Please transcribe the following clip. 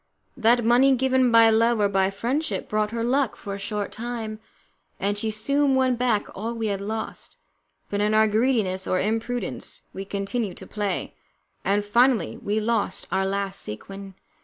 That money given by love or by friendship brought her luck for a short time, and she soon won back all we had lost, but in our greediness or imprudence we continued to play, and finally we lost our last sequin.